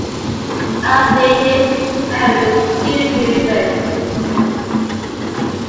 Avdeyev is married with two children.